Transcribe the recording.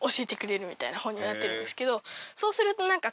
そうすると何か。